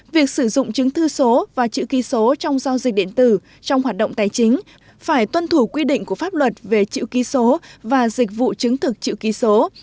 việc sử dụng chứng thư số và chữ ký số trong giao dịch điện tử trong hoạt động tài chính phải tuân thủ quy định của pháp luật về chữ ký số và dịch vụ chứng thực chữ ký số